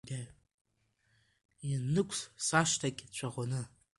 Ианнықәс сашҭагь цәаӷәаны…